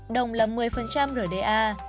đồng là một mươi rda